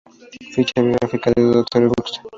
Ficha biográfica de Dorothy Buxton